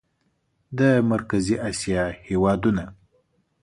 د مرکزي اسیا هېوادونه